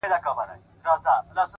دننه ښه دی- روح يې پر ميدان ښه دی-